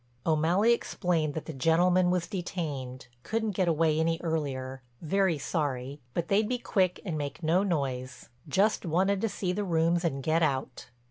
O'Malley explained that the gentleman was detained—couldn't get away any earlier, very sorry, but they'd be quick and make no noise—just wanted to see the rooms and get out.